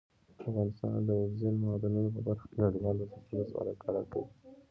افغانستان د اوبزین معدنونه په برخه کې نړیوالو بنسټونو سره کار کوي.